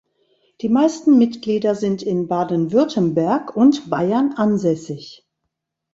Die meisten Mitglieder sind in Baden-Württemberg und Bayern ansässig.